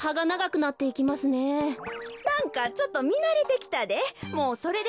なんかちょっとみなれてきたで。